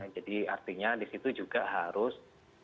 jadi artinya disitu juga harus